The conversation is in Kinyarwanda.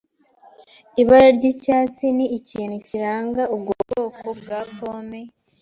Ibara ry'icyatsi ni ikintu kiranga ubwo bwoko bwa pome.